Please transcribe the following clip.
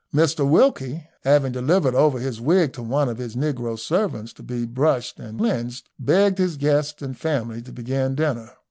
Mr Wilkie, having delivered over his wig to one of his negro servants to be brushed and cleansed, begged his guests and family to begin dinner.